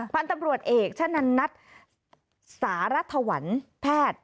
พันธบรวจเอกชะนั้นนัดสารัฐวรรณแพทย์